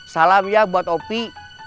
salam ya buat opi